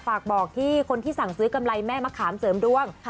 ฝากบอกที่คนที่สั่งซื้อกำไรแม่มะขามเสริมดวง